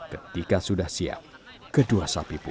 ketika sudah siap kedua sapi pun